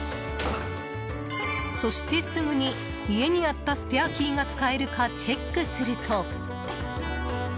そして、すぐに家にあったスペアキーが使えるかチェックすると。